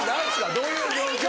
どういう状況？